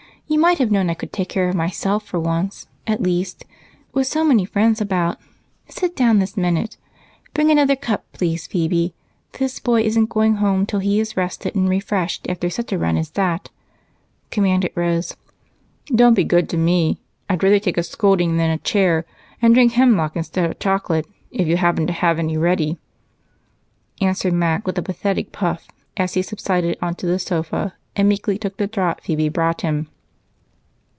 You might have known I could take care of myself for once, at least, with so many friends about. Sit down this minute. Bring another cup, please, Phebe this boy isn't going home till he is rested and refreshed after such a run as that," commanded Rose. "Don't be good to me I'd rather take a scolding than a chair, and drink hemlock instead of chocolate if you happen to have any ready," answered Mac with a pathetic puff as he subsided onto the sofa and meekly took the draft Phebe brought him.